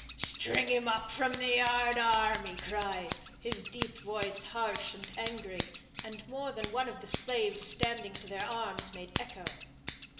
"String him up from the yardarm," he cried, his deep voice harsh and angry, and more than one of the slaves standing to their arms made echo.